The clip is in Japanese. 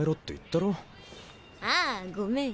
ああごめん。